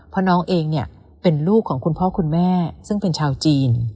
เพราะน้องเองเนี่ยเป็นลูกของคุณพ่อคุณแม่ซึ่งเป็นชาวจีน